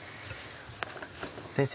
先生